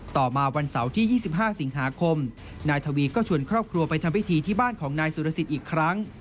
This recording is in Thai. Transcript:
ต่อมาวันเสาร์ที่๒๕สิงหาคมนายทวีก็ชวนครอบครัวไปทำพิธีที่บ้านของนายสุรสิทธิ์อีกครั้ง